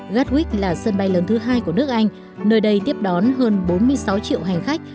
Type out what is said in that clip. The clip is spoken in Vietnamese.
gatwick là sân bay lớn thứ hai của nước anh nơi đây tiếp đón hơn bốn mươi sáu triệu hành khách